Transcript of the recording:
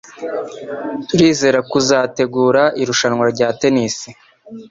Turizera kuzategura irushanwa rya tennis.